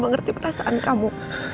mama ngerti perasaan kamu